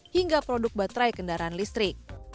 hingga produk baterai kendaraan listrik